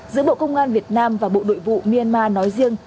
giữa bộ công an việt nam và bộ nội vụ myanmar nói riêng